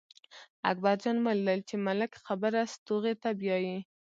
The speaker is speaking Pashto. اکبر جان ولیدل چې ملک خبره ستوغې ته بیايي.